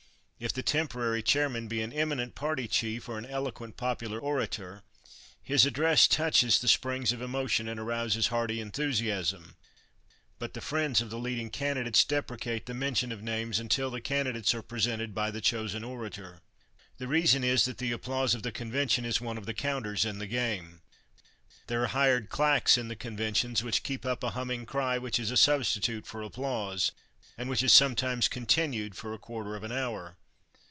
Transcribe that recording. If the temporary chairman be an eminent party chief or an eloquent popular orator, his address touches the springs of emotion and arouses hearty enthusiasm. But the friends of the leading candidates deprecate the mention of names until the candidates are presented by the chosen orator. The reason is that the applause of the convention is one of the counters in the game. There are hired claques in the conventions which keep up a humming cry which is a substitute for applause, and which is sometimes continued for a quarter of an hour.